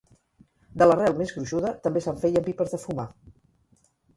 de l'arrel més gruixuda també se'n feien pipes de fumar